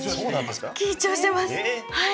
緊張してますはい。